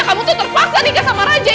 kamu tuh terpaksa nikah sama raja